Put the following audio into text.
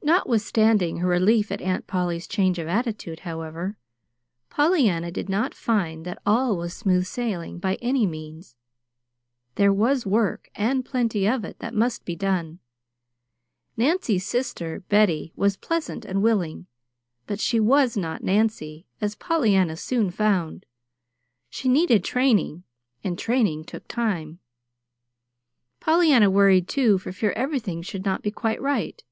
Notwithstanding her relief at Aunt Polly's change of attitude, however, Pollyanna did not find that all was smooth sailing, by any means. There was work, and plenty of it, that must be done. Nancy's sister, Betty, was pleasant and willing, but she was not Nancy, as Pollyanna soon found. She needed training, and training took time. Pollyanna worried, too, for fear everything should not be quite right.